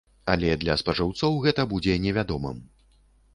Але для спажыўцоў гэта будзе невядомым.